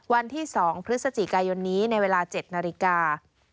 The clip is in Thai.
วันที่๒พฤศจิกายนนี้ในเวลา๗นาฬิกา